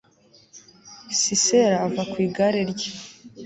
sisera ava ku igare rye